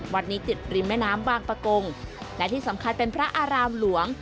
วัดนี้ติดริมแม่น้ำบางประกงและที่สำคัญเป็นพระอารามหลวง